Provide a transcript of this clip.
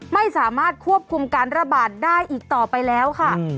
ไม่สามารถควบคุมการระบาดได้อีกต่อไปแล้วค่ะ